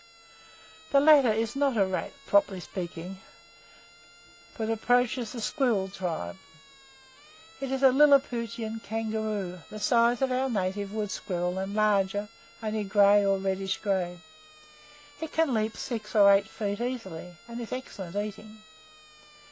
The latter is not a rat, properly speaking, but approaches the squirrel tribe. It is a lilliputian kangaroo, the size of our native wood squirrel and larger, only grey or reddish grey. It can leap six or eight feet easily, and is excellent eating.